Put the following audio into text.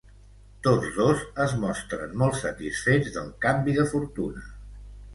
Tots dos es mostren molt satisfets del canvi de fortuna.